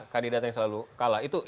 kandidat yang selalu kalah